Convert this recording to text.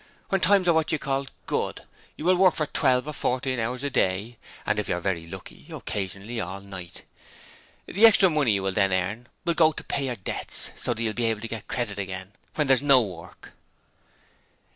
When times are what you call "good", you will work for twelve or fourteen hours a day and if you're VERY lucky occasionally all night. The extra money you then earn will go to pay your debts so that you may be able to get credit again when there's no work.'